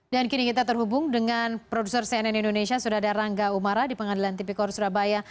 dan kini kita terhubung dengan produser cnn indonesia sudadar rangga umara di pengadilan tipikor surabaya